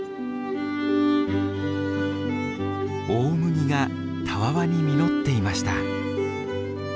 大麦がたわわに実っていました。